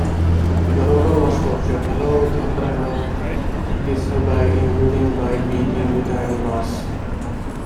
Yorongar was tortured, along with Abderhamane Djesnebaye, including by being beaten with iron bars.